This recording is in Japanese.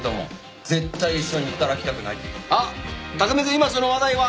今その話題は。